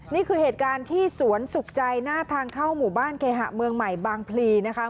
นี่คือเหตุการณ์ที่สวนสุขใจหน้าทางเข้าหมู่บ้านเคหะเมืองใหม่บางพลีนะคะ